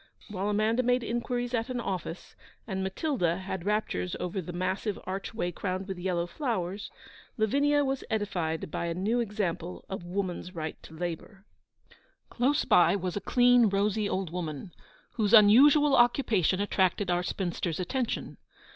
While Amanda made inquiries at an office, and Matilda had raptures over the massive archway crowned with yellow flowers, Lavinia was edified by a new example of woman's right to labour. Close by was a clean, rosy old woman, whose unusual occupation attracted our spinster's attention.